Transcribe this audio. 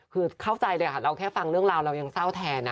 คือเข้าใจเลยค่ะเราแค่ฟังเรื่องราวเรายังเศร้าแทนนะ